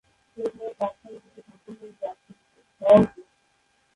স্টেশনের প্ল্যাটফর্ম দুটি সম্পূর্ণ রূপে আচ্ছাদিত।